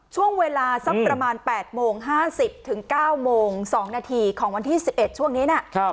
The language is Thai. ช่วงเวลาสักประมาณแปดโมงห้าสิบถึงเก้าโมงสองนาทีของวันที่สิบเอ็ดช่วงนี้น่ะครับ